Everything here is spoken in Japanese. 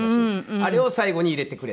あれを最後に入れてくれ。